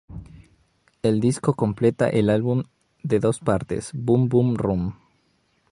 El disco completa el álbum de dos partes "Boom Boom Room".